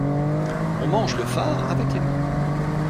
On mange le far avec les mains.